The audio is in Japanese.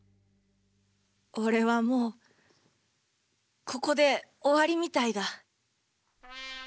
俺はもうここで終わりみたいだ。